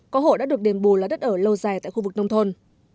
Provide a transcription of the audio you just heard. có hộ đã được đền bù là đất ở lâu dài tại khu vực nông thôn